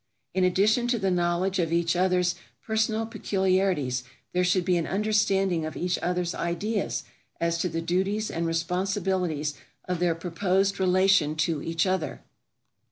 In addition to the knowledge of each other's personal peculiarities there should be an understanding of each other's ideas as to the duties and responsibilities of their proposed relation to each other.